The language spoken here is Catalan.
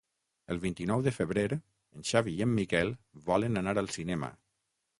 El vint-i-nou de febrer en Xavi i en Miquel volen anar al cinema.